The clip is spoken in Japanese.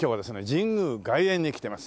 神宮外苑に来てます。